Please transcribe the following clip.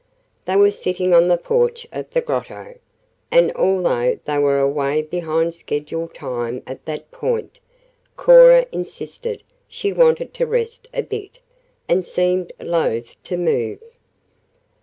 They were sitting on the porch of the Grotto, and although they were away behind scheduled time at that point, Cora insisted she wanted to rest a bit, and seemed loath to move.